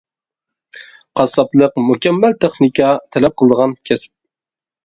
قاسساپلىق مۇكەممەل تېخنىكا تەلەپ قىلىدىغان كەسىپ.